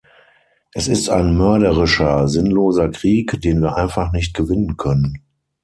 Es ist ein mörderischer, sinnloser Krieg, den wir einfach nicht gewinnen können.